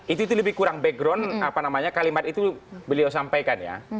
itu lebih kurang background kalimat itu beliau sampaikan